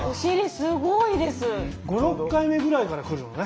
５６回目ぐらいからくるのね！